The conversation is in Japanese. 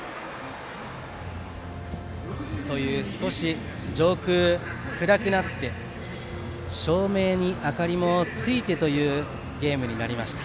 少し上空も暗くなって照明に明かりもついてというゲームになりました。